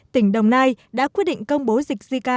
tỉnh đồng nai đã quyết định công bố dịch z